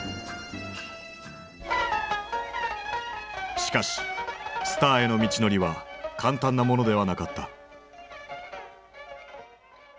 しかしスターへの道のりは簡単なものではなかった。